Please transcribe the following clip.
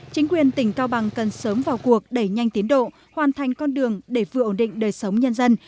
chính quyền tỉnh cao bằng cần sớm vào cuộc đẩy nhanh tiến độ hoàn thành con đường để vừa ổn định đời sống nhân dân